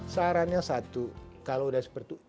sarannya satu kalau sudah seperti itu